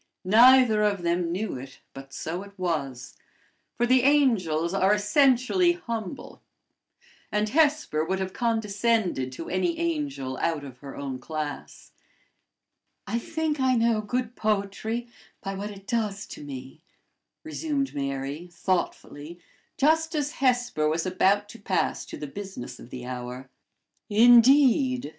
Neither of them knew it, but so it was; for the angels are essentially humble, and Hesper would have condescended to any angel out of her own class. "I think I know good poetry by what it does to me," resumed Mary, thoughtfully, just as Hesper was about to pass to the business of the hour. "Indeed!"